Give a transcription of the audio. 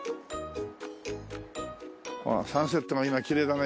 サンセットが今きれいだね